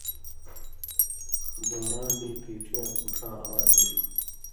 دوراں مِیں پیڇی یاں پُوڇاں اواز ایل۔